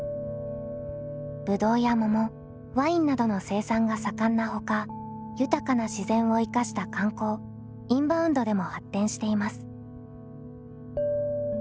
ぶどうや桃ワインなどの生産が盛んなほか豊かな自然を生かした観光インバウンドでも発展しています。